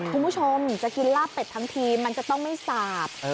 คุณผู้ชมจะกินลาบเป็ดทั้งทีมันจะต้องไม่สาบ